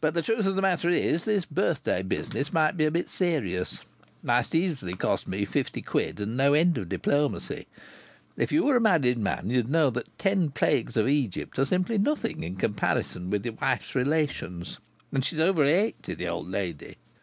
But the truth of the matter is, the birthday business might be a bit serious. It might easily cost me fifty quid and no end of diplomacy. If you were a married man you'd know that the ten plagues of Egypt are simply nothing in comparison with your wife's relations. And she's over eighty, the old lady."